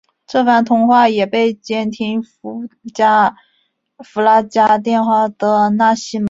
这番通话也被监听弗拉加电话的纳西门托听到了。